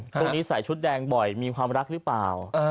ช่วงนี้ใส่ชุดแดงบ่อยมีความรักหรือเปล่า